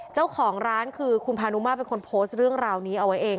เจ้าของร้านคือคุณพานุมาเป็นคนโพสต์เรื่องราวนี้เอาไว้เอง